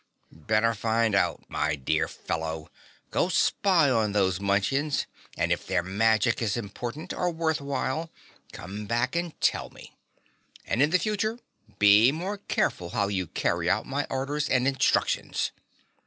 "Better find out, my dear fellow. Go spy on those Munchkins, and if their magic is important or worth while, come back and tell me. And in the future be more careful how you carry out my orders and instructions!"